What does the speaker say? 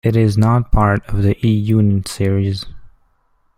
It is not part of the E-unit series.